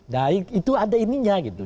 nah itu ada ininya gitu